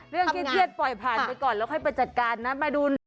เครียดปล่อยผ่านไปก่อนแล้วค่อยไปจัดการนะมาดู